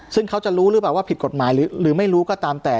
ซึ่งเขาจะรู้หรือเปล่าว่าผิดกฎหมายหรือไม่รู้ก็ตามแต่